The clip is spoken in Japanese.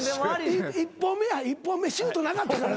１本目や１本目シュートなかったからな。